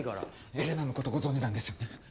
エレナのことご存じなんですよね？